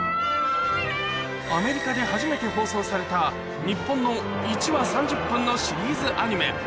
アメリカで初めて放送された日本の１話３０分のシリーズアニメ。